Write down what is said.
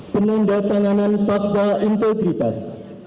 penanda tanganan bapak entegritas